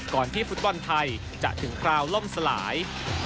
ที่ฟุตบอลไทยจะถึงคราวล่มสลาย